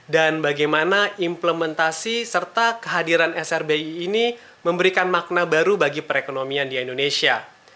dan bagaimana implementasi serta kehadiran srbi ini memberikan makna baru bagi perekonomian di indonesia